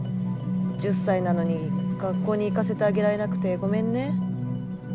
１０歳なのに学校に行かせてあげられなくてごめんね。